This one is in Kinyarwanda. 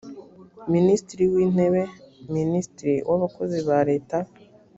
minisitiri w intebe minisitiri w abakozi ba leta